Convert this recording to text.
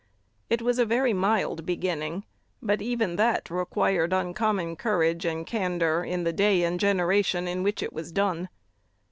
It was a very mild beginning; but even that required uncommon courage and candor in the day and generation in which it was done.